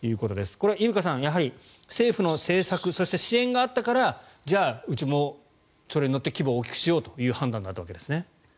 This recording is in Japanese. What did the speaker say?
これ、伊深さんやはり政府の政策そして支援があったからじゃあ、うちもそれに乗って規模を大きくしようという判断だったわけですね？